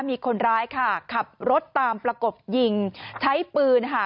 มีคนร้ายค่ะขับรถตามประกบยิงใช้ปืนค่ะ